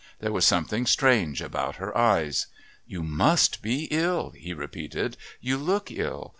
There was something strange about her eyes. "You must be ill," he repeated. "You look ill.